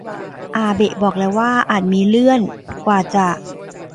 อาเบะบอกแล้วว่าอาจมีเลื่อน กว่าจะ